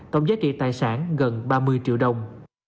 tổng giá trị tài sản gần ba mươi triệu đồng